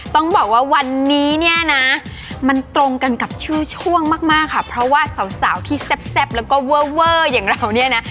ต้องบอกว่าวันนี้เนี่ยนะมันตรงกันกับชื่อช่วงมากค่ะเพราะว่าสาวที่แซ่บแล้วก็เวอร์เวอร์อย่างเราเนี่ยนะ